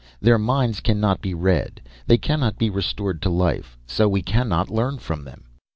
Their minds cannot be read, they cannot be restored to life, so we cannot learn from them."